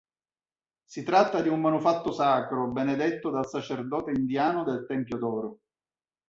Si tratta di un manufatto sacro, benedetto dal sacerdote indiano del Tempio d'oro.